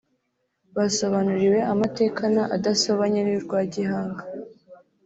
Basobanuriwe amatekana adasobanye y’urwa Gihanga